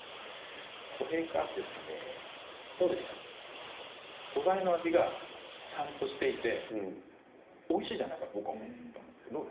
これが、素材の味がちゃんとしていておいしいと僕は思ったんです。